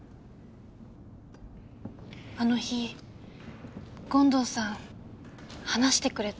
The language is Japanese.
あの日権藤さん話してくれた。